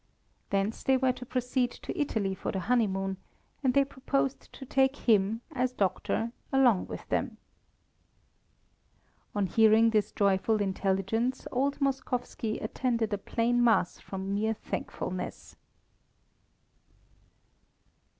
Thence they were to proceed to Italy for the honeymoon, and they proposed to take him, as doctor, along with them. On hearing this joyful intelligence, old Moskowski attended a plain Mass from mere thankfulness.